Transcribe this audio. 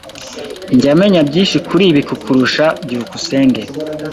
Njya menya byinshi kuri ibi kukurusha. byukusenge